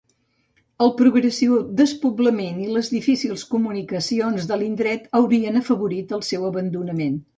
El progressiu despoblament i les difícils comunicacions de l'indret haurien afavorit el seu abandonament.